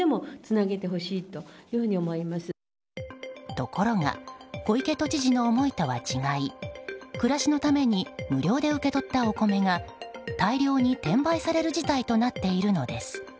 ところが小池都知事の思いとは違い暮らしのために無料で受け取ったお米が大量に転売される事態となっているのです。